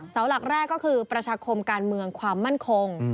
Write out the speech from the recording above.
เสาหลักแรกก็คือประชาคมการเมืองความมั่นคง